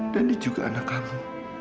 dan di juga anak kamu